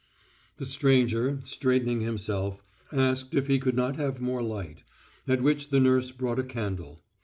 The stranger, straightening himself, asked if he could not have more light, at which the nurse brought a candle.